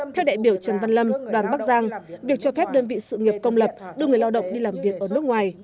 theo đại biểu trần văn lâm đoàn bắc giang việc cho phép đơn vị sự nghiệp công lập đưa người lao động đi làm việc ở nước ngoài